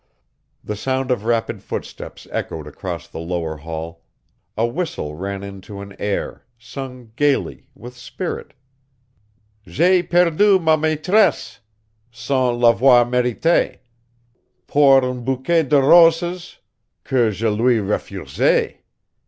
The sound of rapid footsteps echoed across the lower hall, a whistle ran into an air, sung gayly, with spirit: _"J'ai perdu ma maîtresse, Sans l'avoir merité, Pour un bouquet de roses Que je lui refusai.